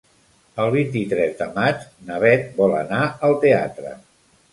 El vint-i-tres de maig na Bet vol anar al teatre.